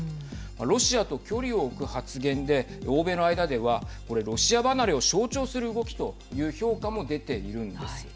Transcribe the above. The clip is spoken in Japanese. ロシアと距離を置く発言で欧米の間では、これロシア離れを象徴する動きという評価も出ているんです。